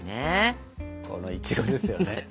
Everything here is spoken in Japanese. このいちごですよね。